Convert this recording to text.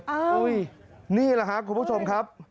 นี่แหละครับคุณผู้ชมครับ